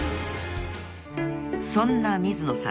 ［そんな水野さん